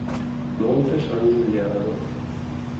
Monte San Giuliano